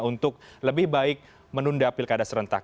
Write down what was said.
untuk lebih baik menunda pilkada serentak